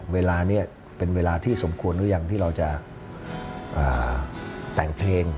เวลานี้เป็นเวลาที่สมควรหรือยังที่เราจะแต่งเพลง